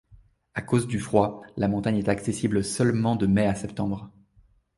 À cause du froid, la montagne est accessible seulement de mai à septembre.